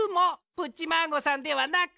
プッチマーゴさんではなく！